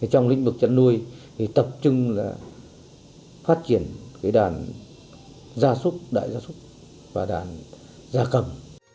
trong lĩnh vực chăn nuôi thì tập trung là phát triển đàn gia súc đại gia súc và đàn gia cầm